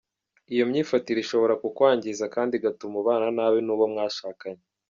Iyo myifatire ishobora kukwangiza kandi igatuma ubana nabi n’uwo mwashakanye.